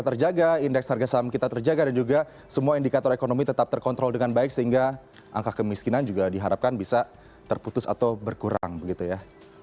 terjaga indeks harga saham kita terjaga dan juga semua indikator ekonomi tetap terkontrol dengan baik sehingga angka kemiskinan juga diharapkan bisa terputus atau berkurang begitu ya